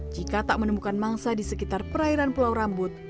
jika tak menemukan mangsa di sekitar perairan pulau rambut